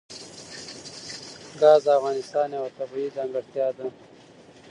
ګاز د افغانستان یوه طبیعي ځانګړتیا ده.